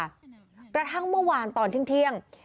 กระทั่งเมื่อวานตอนเที่ยง